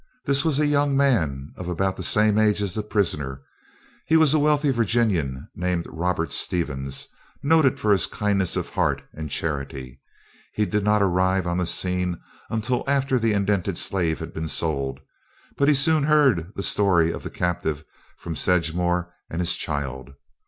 This was a young man of about the same age as the prisoner. He was a wealthy Virginian named Robert Stevens, noted for his kindness of heart and charity. He did not arrive on the scene until after the indented slave had been sold; but he soon heard the story of the captive from Sedgemore and his child.